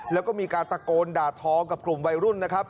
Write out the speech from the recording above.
แล้วก็มีการตะโกนด่าทอกับกลุ่มวัยรุ่นนะครับ